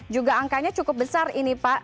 juga angkanya cukup besar ini pak